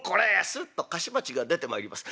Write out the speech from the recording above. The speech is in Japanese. すっと菓子鉢が出てまいります。